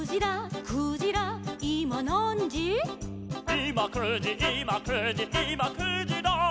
「いま９じいま９じいま９じら」